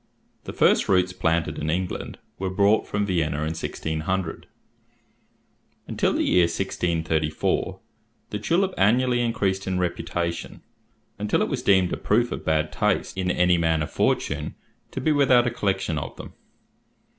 The first roots planted in England were brought from Vienna in 1600. Until the year 1634 the tulip annually increased in reputation, until it was deemed a proof of bad taste in any man of fortune to be without a collection of them.